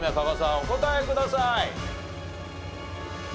お答えください。